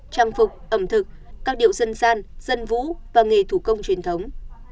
trang phục ẩm thực các điệu dân gian dân vũ và nghề thủ công truyền thống